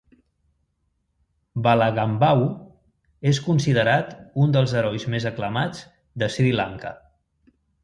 Valagambahu és considerat un dels herois més aclamats de Sri Lanka.